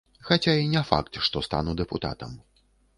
Хаця і не факт, што стану дэпутатам.